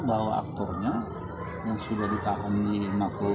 bahwa aktornya yang sudah ditahan di magelang